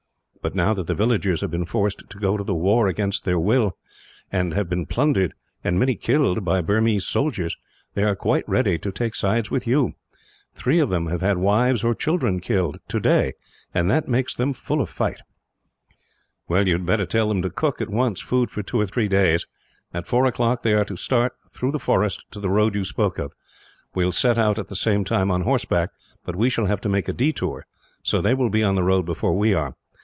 But, now that the villagers have been forced to go to the war against their will; and have been plundered, and many killed, by Burmese soldiers, they are quite ready to take sides with you. Three of them have had wives or children killed, today; and that makes them full of fight." "Well, you had better tell them to cook, at once, food for two or three days. At four o'clock they are to start, through the forest, to the road you spoke of. We will set out at the same time, on horseback; but we shall have to make a detour, so they will be on the road before we are.